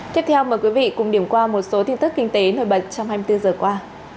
tiếp theo mời quý vị cùng điểm qua một số tin tức kinh tế nổi bật trong hai mươi bốn giờ qua